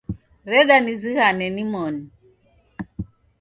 Reda nizighane nimoni